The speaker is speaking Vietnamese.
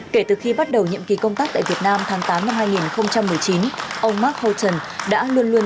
kể từ khi bắt đầu nhiệm kỳ công tác tại việt nam tháng tám năm hai nghìn một mươi chín ông mark houghon đã luôn luôn